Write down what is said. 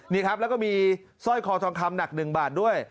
นี่ครับแล้วก็มีสร้อยคอทองคำหนัก๑บาทด้วย